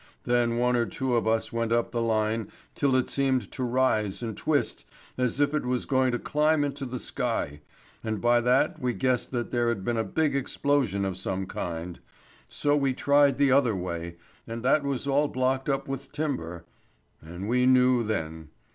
Then one or two of us went up the line till it seemed to rise and twist as if it was going to climb into the sky, and by that we guessed that there had been a big explosion of some kind. So we tried the other way, and that was all blocked up with timber; and we knew then.